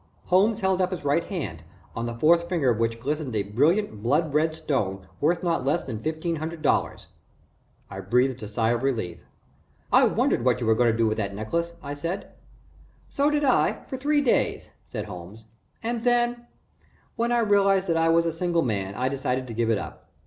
Holmes held up his right hand, on the fourth finger of which glistened a brilliant blood red stone worth not less than fifteen hundred dollars. I breathed a sigh of relief. "I wondered what you were going to do with the necklace," I said. "So did I for three days," said Holmes, "and then, when I realized that I was a single man, I decided to give it up.